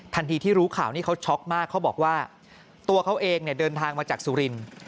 ที่รู้ข่าวนี่เขาช็อกมากเขาบอกว่าตัวเขาเองเนี่ยเดินทางมาจากสุรินทร์